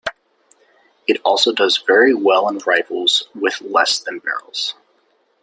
It also does very well in rifles with less than barrels.